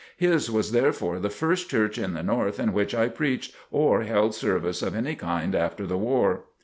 His was therefore the first church in the North in which I preached or held service of any kind after the war.